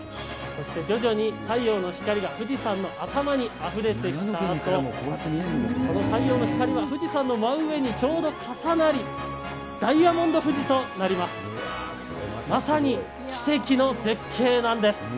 そして徐々に太陽の光が富士山の頭にあふれてきたあと、この太陽の光は富士山の真上にちょうど重なり、ダイヤモンド富士となります。